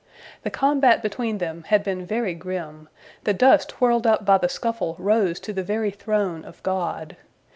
The combat between them had been grim, the dust whirled up by the scuffle rose to the very throne of God.